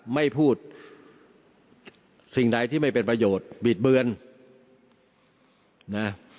ไม่พูดสิ่งใดที่ไม่เป็นประโยชน์บิดเบือนนะ